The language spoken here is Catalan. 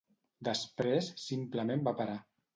Després simplement va parar.